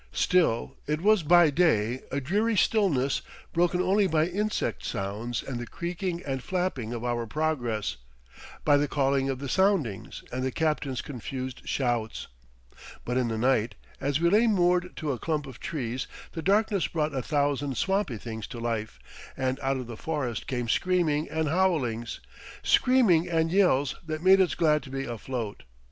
Still it was by day, a dreary stillness broken only by insect sounds and the creaking and flapping of our progress, by the calling of the soundings and the captain's confused shouts; but in the night as we lay moored to a clump of trees the darkness brought a thousand swampy things to life and out of the forest came screaming and howlings, screaming and yells that made us glad to be afloat.